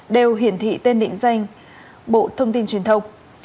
đều hiển thị tên định danh bộ thông tin truyền thông